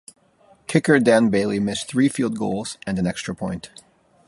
Kicker Dan Bailey missed three field goals and an extra point.